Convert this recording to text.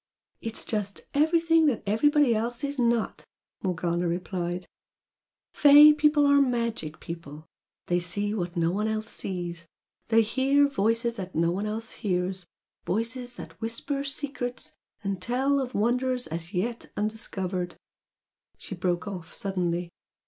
"It's just everything that everybody else is NOT" Morgana replied "'Fey' people are magic people; they see what no one else sees, they hear voices that no one else hears voices that whisper secrets and tell of wonders as yet undiscovered " She broke off suddenly.